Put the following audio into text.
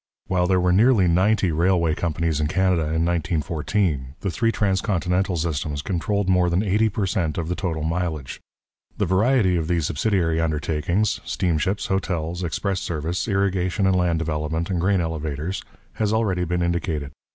While there were nearly ninety railway companies in Canada in 1914, the three transcontinental systems controlled more than eighty per cent of the total mileage. The variety of the subsidiary undertakings steamships, hotels, express service, irrigation and land development, grain elevators has already been indicated.